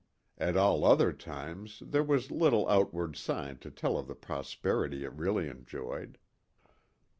At all other times there was little outward sign to tell of the prosperity it really enjoyed.